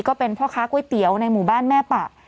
ก็เป็นพ่อค้าก๋วยเตี๋ยวในหมู่บ้านแม่ปะ